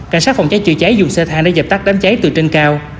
cảnh sát phòng cháy chữa cháy dùng xe thang để dập tắt đám cháy từ trên cao